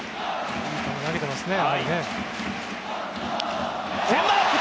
いい球を投げていますね。